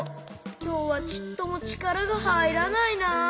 きょうはちっともちからがはいらないなぁ。